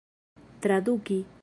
traduki